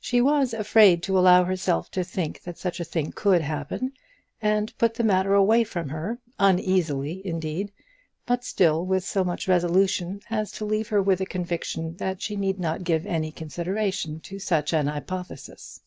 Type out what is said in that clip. She was afraid to allow herself to think that such a thing could happen, and put the matter away from her, uneasily, indeed, but still with so much resolution as to leave her with a conviction that she need not give any consideration to such an hypothesis.